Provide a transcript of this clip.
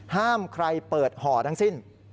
ห้ามใครเปิดห่อทั้งสิ้น